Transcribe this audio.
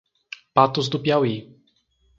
Patos do Piauí